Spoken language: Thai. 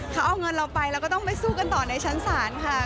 เขาเอาเงินเราไปเราก็ต้องไปสู้กันต่อในชั้นศาลค่ะ